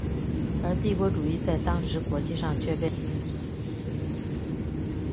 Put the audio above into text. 而帝国主义在当时国际上却被认为是很先进的。